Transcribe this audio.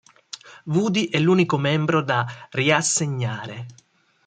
Woody è l'unico membro da riassegnare.